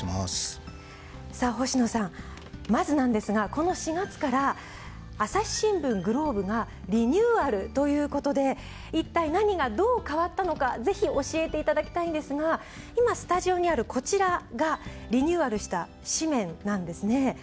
まずなんですがこの４月から『朝日新聞ＧＬＯＢＥ』がリニューアルという事で一体何がどう変わったのかぜひ教えて頂きたいんですが今スタジオにあるこちらがリニューアルした紙面なんですね。